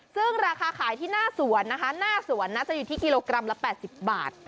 ซึ่งราคาขายที่หน้าสวนนะคะหน้าสวนน่าจะอยู่ที่กิโลกรัมละ๘๐บาท